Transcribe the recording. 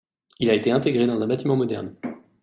Il a été intégré dans un bâtiment moderne.